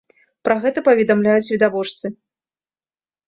Пра гэта паведамляюць відавочцы.